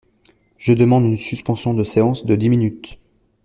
Je demande une suspension de séance de dix minutes.